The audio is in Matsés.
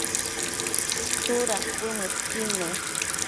¿tsudad cuëdmëdquid ne?